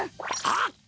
あっ！